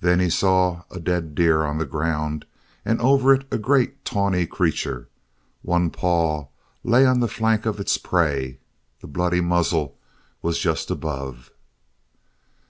Then he saw a dead deer on the ground and over it a great tawny creature. One paw lay on the flank of its prey; the bloody muzzle was just above.